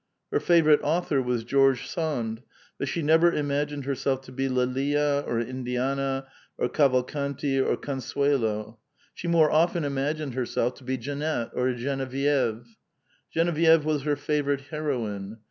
Her favorite author was George Sand, but she never imagined herself to be L^lia or Indiana or Cavalcanti or Consu^lo ; she more often imagined herself to be Jeannette or Genevieve. Gen evieve was her favorite heroine.